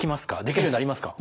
できるようになりますか？